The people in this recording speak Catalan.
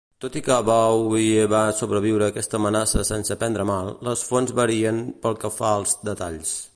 Tot i que Abuye va sobreviure a aquesta amenaça sense prendre mal, les fonts varien pel que fa als detalls.